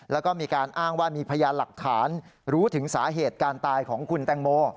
แล้วก็มีการอ้างว่ามีพยานหลักฐานรู้ถึงสาเหตุการตายของคุณแตงโม